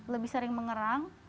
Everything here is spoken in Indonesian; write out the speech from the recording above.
lebih sering mengerang